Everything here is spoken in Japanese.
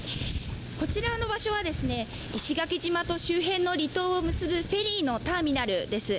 こちらの場所は石垣島と周辺の離島を結ぶフェリーのターミナルです。